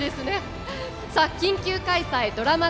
さあ緊急開催ドラマ